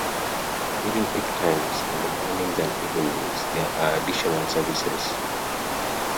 During peak times in the mornings and evenings there are additional services.